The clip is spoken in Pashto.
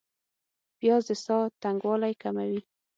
پیاز د ساه تنګوالی کموي